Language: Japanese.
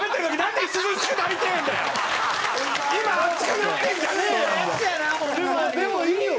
でもでもいいよ！